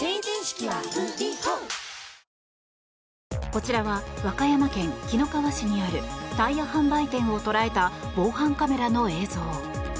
こちらは和歌山県紀の川市にあるタイヤ販売店を捉えた防犯カメラの映像。